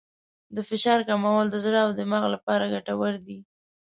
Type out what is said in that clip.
د فشار کمول د زړه او دماغ لپاره ګټور دي.